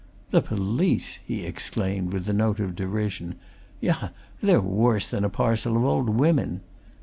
"The police!" he exclaimed, with a note of derision. "Yah! they're worse than a parcel of old women!